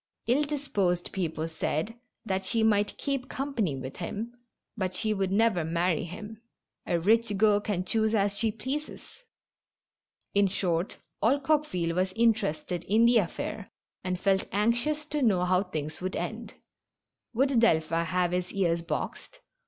Ill disposed people said that she might keep company with him, but she would never marry him. A rich girl can choose as she pleases. In short, all Coque ville was interested in the affair, and felt anxious to know how things would end. Would Delphin have his ears boxed?